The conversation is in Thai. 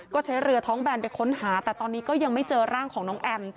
ก็ใช้เรือท้องแบนไปค้นหาแต่ตอนนี้ก็ยังไม่เจอร่างของน้องแอม